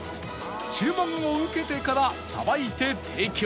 注文を受けてからさばいて提供